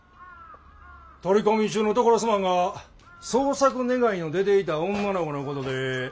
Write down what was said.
取り込み中のところすまんが捜索願いの出ていた女の子のことで。